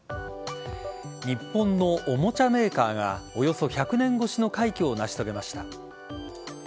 日本のおもちゃメーカーがおよそ１００年越しの快挙を成し遂げました。